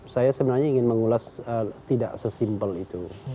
saya sebenarnya ingin mengulas tidak sesimpel itu